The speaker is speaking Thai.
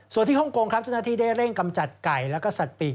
ส่วนที่ฮ่องกงครับเจ้าหน้าที่ได้เร่งกำจัดไก่แล้วก็สัตว์ปีก